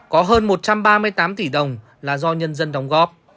có hơn một trăm ba mươi tám tỷ đồng là do nhân dân đóng góp